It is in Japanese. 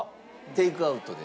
テイクアウトで。